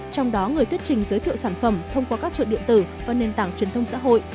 trong đó người tuyết trình giới thiệu sản phẩm thông qua các chợ điện tử và nền tảng truyền thông xã hội